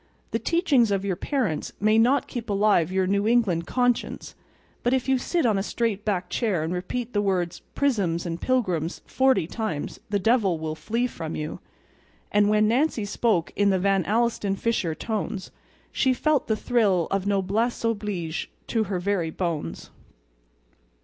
The teachings of your parents may not keep alive your New England conscience; but if you sit on a straight back chair and repeat the words "prisms and pilgrims" forty times the devil will flee from you. And when Nancy spoke in the Van Alstyne Fisher tones she felt the thrill of noblesse oblige to her very bones.